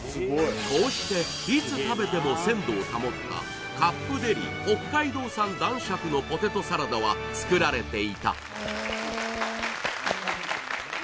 こうしていつ食べても鮮度を保ったカップデリ北海道産男爵のポテトサラダは作られていたへえ